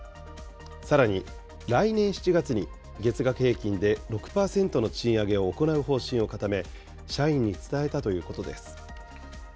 さらに来年７月に月額平均で６％の賃上げを行う方針を固め、社員に伝えたということです。